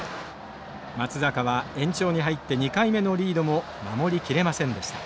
松坂は延長に入って２回目のリードも守りきれませんでした。